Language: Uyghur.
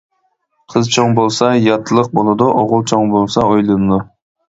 قىز چوڭ بولسا ياتلىق بولىدۇ، ئوغۇل چوڭ بولسا ئۆيلىنىدۇ.